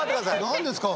何ですか？